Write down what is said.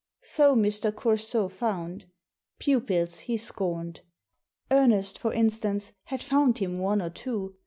So Mr. Coursault found. Pupils he scorned. Ernest, for instance, had found him one or two.